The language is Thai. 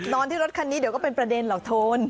นอนที่รถคันนี้เดี๋ยวก็เป็นประเด็นเหล่าโทน